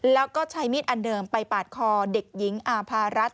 แล้วก็ใช้มีดอันเดิมไปปาดคอเด็กหญิงอาภารัฐ